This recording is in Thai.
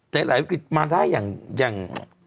หลายวิกฤตมาได้อย่าง